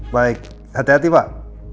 baik hati hati pak